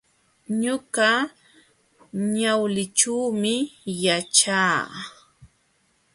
Ñuqa Yawlićhuumi yaćhaa.